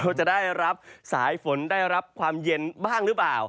จะได้รับสายฝนได้รับความเย็นบ้างหรือเปล่า